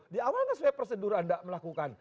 di awalnya sesuai prosedur anda melakukan